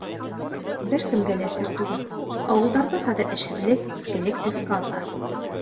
Бер кемгә лә сер түгел: ауылдарҙа хәҙер эшһеҙлек, эскелек сәскә ата.